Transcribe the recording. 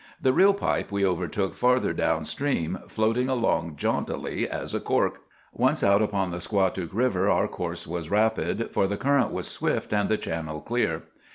The real pipe we overtook farther down stream, floating along jauntily as a cork. Once out upon the Squatook River our course was rapid, for the current was swift and the channel clear.